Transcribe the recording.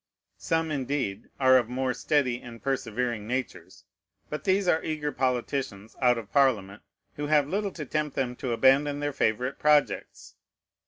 Some, indeed, are of more steady and persevering natures; but these are eager politicians out of Parliament, who have little to tempt them to abandon their favorite projects.